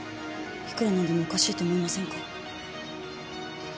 いくら何でもおかしいと思いませんか？